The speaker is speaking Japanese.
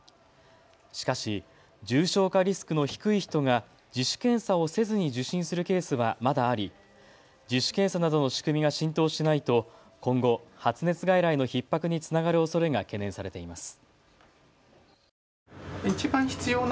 しかし重症化リスクの低い人が自主検査をせずに受診するケースはまだあり自主検査などの仕組みが浸透しないと今後、発熱外来のひっ迫につながるおそれが懸念されています。